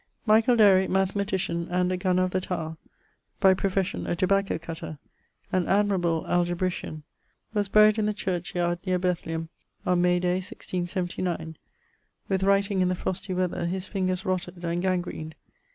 Michaell Dary, mathematician, and a gunner of the Tower (by profession, a tobacco cutter), an admirable algebrician, was buryed in the churchyard neer Bethlem on May day 1679. With writing in the frostie weather his fingers rotted and gangraened.